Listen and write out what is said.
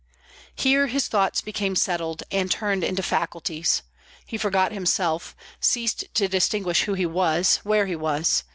Here his thoughts became settled, and turned into faculties; he forgot himself, ceased to distinguish who he was, where he was.